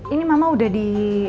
ini mama udah di